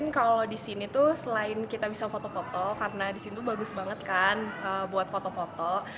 mungkin kalau disini tuh selain kita bisa foto foto karena disini tuh bagus banget kan buat foto foto